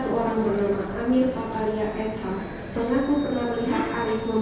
kandungan yang berada di rumah sakit abdiwaluyo